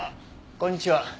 こんにちは。